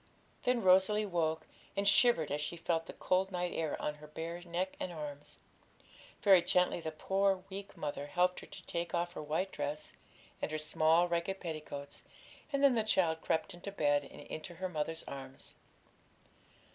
Then Rosalie woke, and shivered as she felt the cold night air on her bare neck and arms. Very gently the poor weak mother helped her to take off her white dress and her small ragged petticoats; and then the child crept into bed and into her mother's arms.